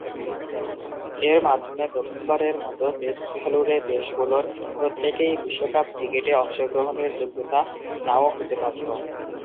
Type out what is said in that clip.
এর মাধ্যমে প্রথমবারের মতো টেস্টখেলুড়ে দেশগুলোর প্রত্যেকেই বিশ্বকাপ ক্রিকেটে অংশগ্রহণের যোগ্যতা না-ও হতে পারতো।